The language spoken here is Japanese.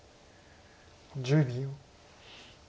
１０秒。